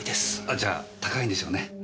あじゃあ高いんでしょうね。